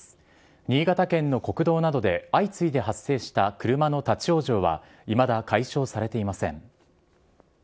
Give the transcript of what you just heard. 新潟県の国道などで相次いで発生した車の立往生は、いまだ解消されていません。